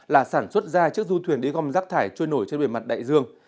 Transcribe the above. là sản xuất ra chiếc du thuyền đi gom rác thải trôi nổi trên bề mặt đại dương